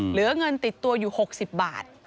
เหลือเงินติดตัวอยู่๖๐บาท